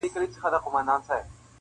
دا چي مي تر سترګو میکده میکده کيږې-